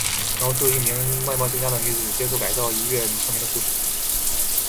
描述一名外貌欠佳的女子接受改造一跃成名的故事。